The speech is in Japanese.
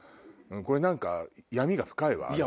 これ何か闇が深いわ。